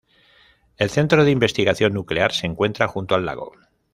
El centro de investigación nuclear se encuentra junto al lago.